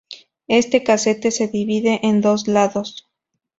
Este cassette se divide en dos lados.